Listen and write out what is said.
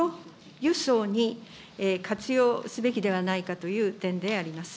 輸送に活用すべきではないかという点であります。